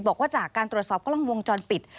บอกว่าจากการตรวจสอบกล้องวงจรปิด